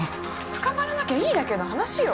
捕まらなきゃいいだけの話よ。